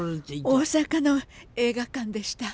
大阪の映画館でした。